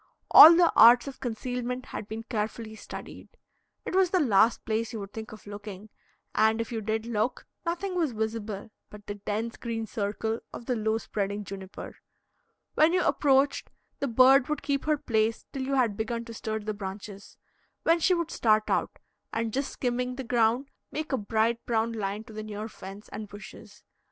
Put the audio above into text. All the arts of concealment had been carefully studied. It was the last place you would think of looking, and, if you did look, nothing was visible but the dense green circle of the low spreading juniper. When you approached, the bird would keep her place till you had begun to stir the branches, when she would start out, and, just skimming the ground, make a bright brown line to the near fence and bushes.